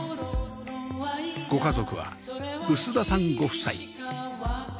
ご家族は臼田さんご夫妻